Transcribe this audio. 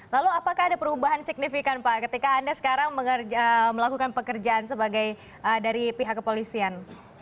lalu apakah ada perubahan signifikan pak ketika anda sekarang melakukan pekerjaan sebagai dari pihak kepolisian